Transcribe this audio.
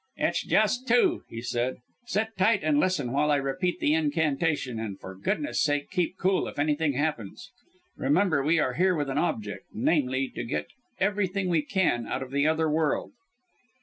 "It's just two!" he said. "Sit tight and listen while I repeat the incantation, and for goodness' sake keep cool if anything happens. Remember we are here with an object namely to get everything we can out of the Other World."